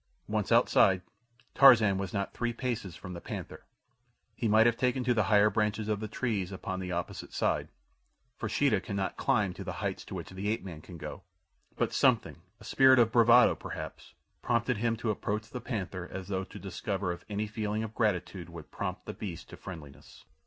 Once outside, Tarzan was not three paces from the panther. He might have taken to the higher branches of the trees upon the opposite side, for Sheeta cannot climb to the heights to which the ape man can go; but something, a spirit of bravado perhaps, prompted him to approach the panther as though to discover if any feeling of gratitude would prompt the beast to friendliness.